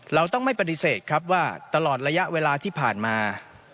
เราต้องไม่ปฏิเสธครับว่าตลอดระยะเวลาที่ผ่านมา